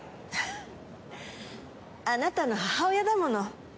フフッあなたの母親だもの。